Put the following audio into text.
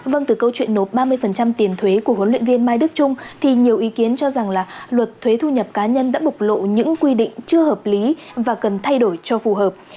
vâng từ câu chuyện nộp ba mươi tiền thuế của huấn luyện viên mai đức trung thì nhiều ý kiến cho rằng là luật thuế thu nhập cá nhân đã bộc lộ những quy định chưa hợp lý và cần thay đổi cho phù hợp